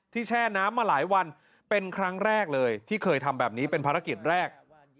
แช่น้ำมาหลายวันเป็นครั้งแรกเลยที่เคยทำแบบนี้เป็นภารกิจแรก